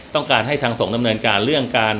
ต้องการให้ทางสงฆ์ดำเนินการ